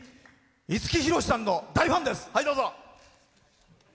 五木ひろしさんの大ファンです。